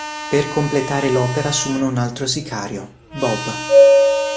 Per completare l'opera assumono un altro sicario, Bob.